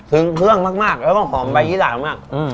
ถึงเครื่องมากแล้วก็หอมใบยี่หลาดมาก